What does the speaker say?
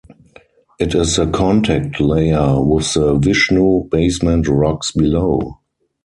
It is the contact layer with the Vishnu Basement Rocks below.